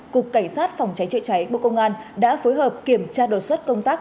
cục cảnh sát phòng cháy chữa cháy bộ công an đã phối hợp kiểm tra đột xuất công tác